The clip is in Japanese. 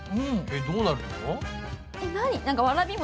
えっどうなるの？